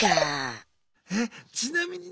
えちなみにね